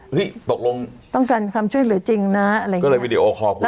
ตกลงต้องการความช่วยเหลือจริงนะอะไรอย่างนี้ก็เลยวีดีโอคอลคุย